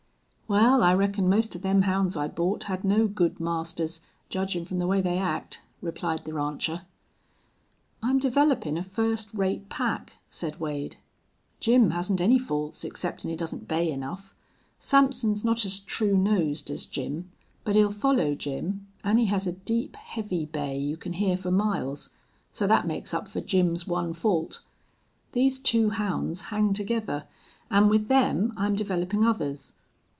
"Wal, I reckon most of them hounds I bought had no good masters, judgin' from the way they act," replied the rancher. "I'm developin' a first rate pack," said Wade. "Jim hasn't any faults exceptin' he doesn't bay enough. Sampson's not as true nosed as Jim, but he'll follow Jim, an' he has a deep, heavy bay you can hear for miles. So that makes up for Jim's one fault. These two hounds hang together, an' with them I'm developin' others.